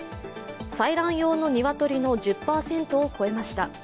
採卵用の鶏の１０％を超えました。